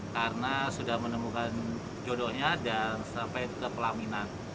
karena sudah menemukan jodohnya dan sampai kepelaminan